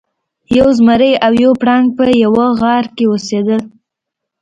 یو زمری او یو پړانګ په یوه غار کې اوسیدل.